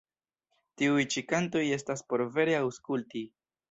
Tiuj ĉi kantoj estas por vere aŭskulti.